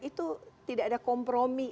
itu tidak ada kompromi